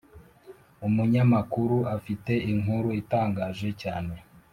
Umunyamakuru afite inkuru itangaje cyane